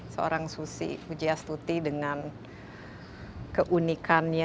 seorang susi pujastuti dengan keunikannya